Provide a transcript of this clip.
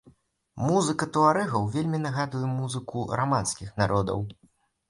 Музыка туарэгаў вельмі нагадвае музыку раманскіх народаў.